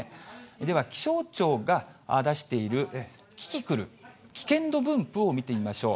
では気象庁が出しているキキクル、危険度分布を見てみましょう。